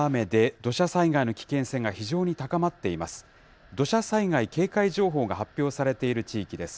土砂災害警戒情報が発表されている地域です。